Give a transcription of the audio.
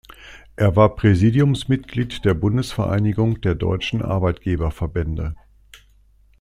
Er war Präsidiumsmitglied der Bundesvereinigung der Deutschen Arbeitgeberverbände.